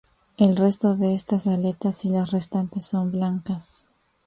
El resto de estas aletas y las restantes son blancas.